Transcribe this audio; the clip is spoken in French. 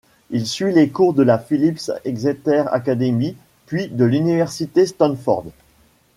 Il suit les cours de la Phillips Exeter Academy, puis de l'université Stanford.